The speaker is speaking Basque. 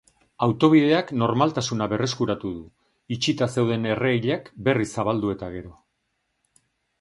Autobideak normaltasuna berreskuratu du, itxita zeuden erreilak berriz zabaldu eta gero.